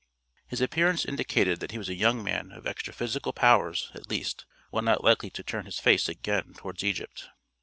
His appearance indicated that he was a young man of extra physical powers, at least, one not likely to turn his face again towards Egypt.